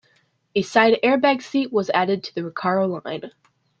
A side-airbag seat was added to the Recaro line.